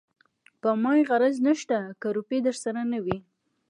په ما يې غرض نشته که روپۍ درسره نه وي.